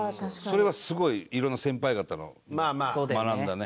それはすごい色んな先輩方のを学んだね。